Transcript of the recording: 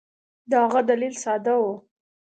د هغه دلیل ساده وو.